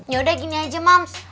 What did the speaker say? yaudah gini aja mams